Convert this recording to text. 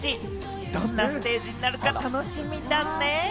どんなステージになるか楽しみだね。